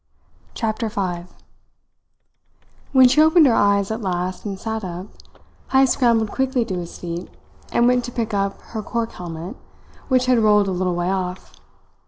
CHAPTER FIVE When she opened her eyes at last and sat up, Heyst scrambled quickly to his feet and went to pick up her cork helmet, which had rolled a little way off.